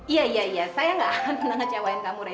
iya iya saya gak akan pernah ngecewain kamu rey